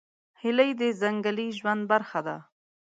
هیلۍ د ځنګلي ژوند برخه ده